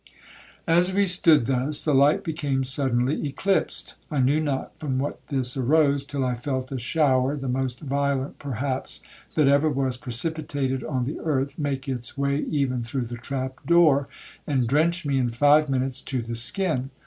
'As we stood thus, the light became suddenly eclipsed. I knew not from what this arose, till I felt a shower, the most violent perhaps that ever was precipitated on the earth, make its way even through the trap door, and drench me in five minutes to the skin.